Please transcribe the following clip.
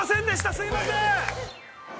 すいません。